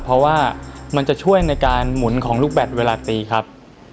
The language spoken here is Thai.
เพราะว่ามันจะช่วยในการหมุนของลูกแบตเวลาตีครับ